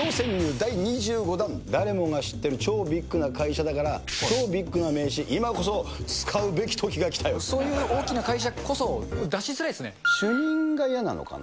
第２５弾、誰もが知ってる超ビッグな会社だから、超ビッグな名刺、今こそ使うべきそういう大きな会社こそ、主任が嫌なのかな？